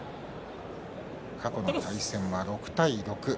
過去の対戦は６対６。